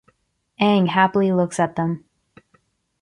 Aang happily looks at them.